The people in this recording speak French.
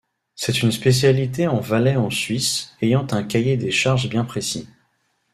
C'est une spécialité en Valais en Suisse, ayant un cahier des charges bien précis.